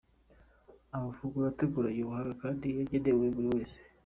Amafunguro ateguranye ubuhanga kandi yagenewe buri wese.